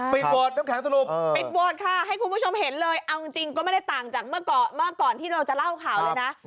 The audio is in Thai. โหวตน้ำแข็งสรุปปิดโหวตค่ะให้คุณผู้ชมเห็นเลยเอาจริงก็ไม่ได้ต่างจากเมื่อก่อนเมื่อก่อนที่เราจะเล่าข่าวเลยนะ